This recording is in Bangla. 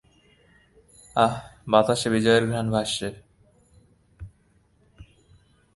আহ, বাতাসে বিজয়ের ঘ্রান ভাসছে!